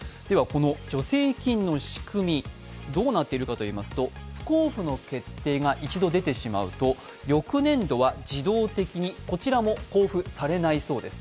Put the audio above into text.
この助成金の仕組み、どうなっているかといいますと、不交付の決定が一度出てしまうと、翌年度は自動的にこちらも交付されないそうです。